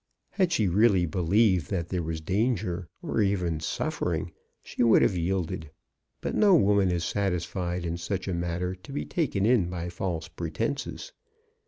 Had she really believed that there was danger, or even suffering, she would have yielded; but no woman is satisfied in such a matter to be taken in by false pretences.